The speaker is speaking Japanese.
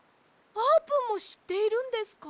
あーぷんもしっているんですか！